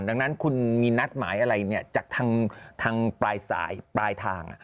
ดังนั้นคุณมีนัดหมายอะไรจากทางปลายสายปลายทาง